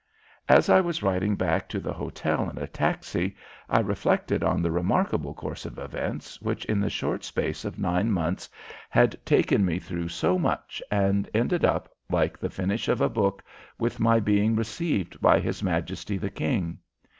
As I was riding back to the hotel in a taxi I reflected on the remarkable course of events which in the short space of nine months had taken me through so much and ended up, like the finish of a book, with my being received by his Majesty the King!